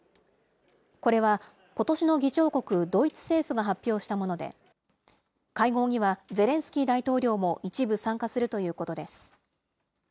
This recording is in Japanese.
これは、ことしの議長国、ドイツ政府が発表したもので、会合にはゼレンスキー大統領も一部参加するということです。